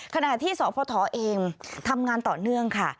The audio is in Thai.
ขณะที่สพเองทำงานต่อเนื่องค่ะ